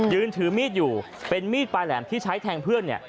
ถือมีดอยู่เป็นมีดปลายแหลมที่ใช้แทงเพื่อนเนี่ย